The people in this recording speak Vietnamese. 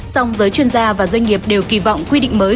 song giới chuyên gia và doanh nghiệp đều kỳ vọng quy định mới